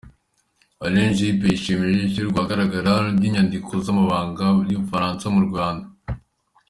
Alain Juppé yishimiye ishyirwa ahagaragara ry’inyandiko z’amabanga y’u Bufaransa mu Rwanda.